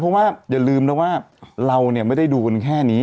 เพราะว่าอย่าลืมนะว่าเราเนี่ยไม่ได้ดูกันแค่นี้